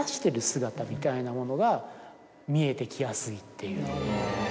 みたいなものが見えてきやすいっていう。